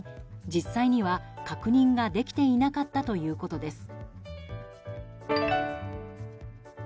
実際には確認ができていなかったということです。